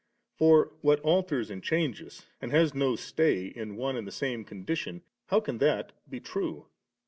For what alters and changes, and has no stay in one and the same condition, how can that be true?